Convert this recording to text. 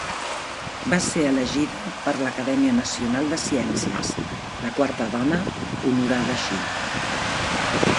Va ser elegida per l'Acadèmia Nacional de Ciències, la quarta dona honorada així.